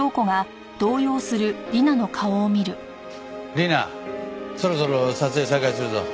理奈そろそろ撮影再開するぞ。